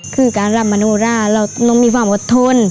คือการรำมโนราเราต้องมีความอดทน